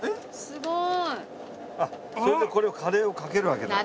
すごい！あっそれでこれをカレーをかけるわけだ。